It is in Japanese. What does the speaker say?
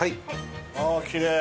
ああきれい！